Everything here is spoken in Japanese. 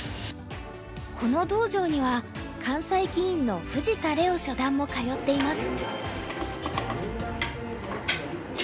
この道場には関西棋院の藤田央初段も通っています。